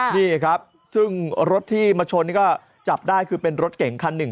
นี่ครับซึ่งรถที่มาชนนี่ก็จับได้คือเป็นรถเก่งคันหนึ่ง